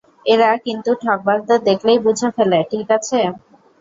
এরা কিন্তু ঠগবাজদের দেখলেই বুঝে ফেলে, ঠিক আছে?